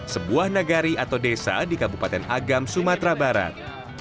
sebuah nagari atau desa di kabupaten agam sumatera barat